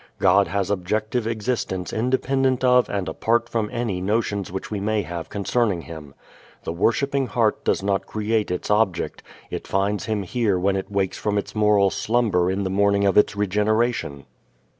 God has objective existence independent of and apart from any notions which we may have concerning Him. The worshipping heart does not create its Object. It finds Him here when it wakes from its moral slumber in the morning of its regeneration.